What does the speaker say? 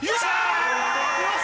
よし！